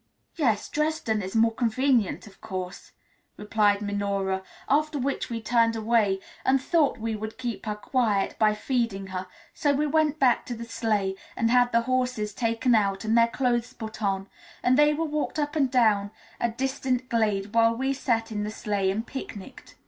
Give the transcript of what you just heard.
"Yes, Dresden is more convenient, of course," replied Minora; after which we turned away and thought we would keep her quiet by feeding her, so we went back to the sleigh and had the horses taken out and their cloths put on, and they were walked up and down a distant glade while we sat in the sleigh and picnicked.